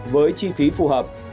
với chi phí phù hợp